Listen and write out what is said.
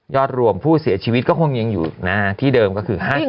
รวมผู้เสียชีวิตก็คงยังอยู่ที่เดิมก็คือ๕๐